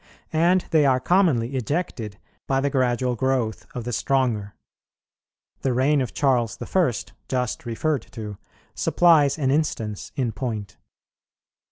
And they are commonly ejected by the gradual growth of the stronger. The reign of Charles the First, just referred to, supplies an instance in point.